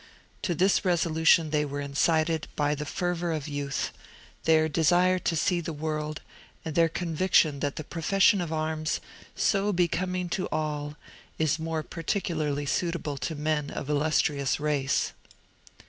To this resolution they were incited by the fervour of youth, their desire to see the world, and their conviction that the profession of arms, so becoming to all, is more particularly suitable to men of illustrious race.